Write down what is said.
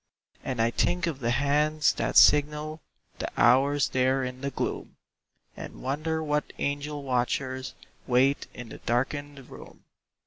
And I think of the hands that signal The hours there in the gloom, And wonder what angel watchers Wait in the darkened room.